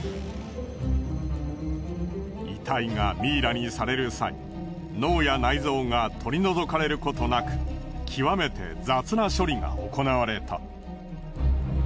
遺体がミイラにされる際脳や内臓が取り除かれることなくきわめて雑な処理が行われた。